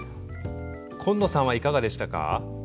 紺野さんはいかがでしたか？